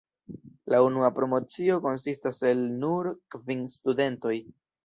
La unua promocio konsistas el nur kvin studentoj.